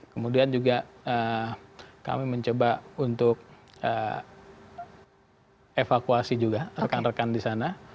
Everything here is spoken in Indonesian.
kemudian juga kami mencoba untuk evakuasi juga rekan rekan di sana